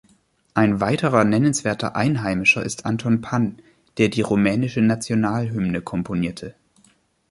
Ein weiterer nennenswerter Einheimischer ist Anton Pann, der die rumänische Nationalhymne komponierte.